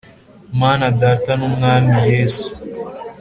Mana Data n Umwami Yesu